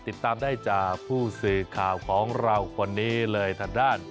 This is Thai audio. ติดตามได้จากผู้สื่อข่าวของเราคนนี้เลยทางด้าน